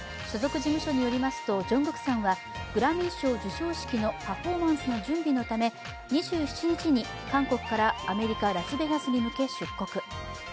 所属事務所によりますとＪＵＮＧＫＯＯＫさんはグラミー賞授賞式のパフォーマンスの準備のため２７日に韓国からアメリカ・ラスベガスに向け出国。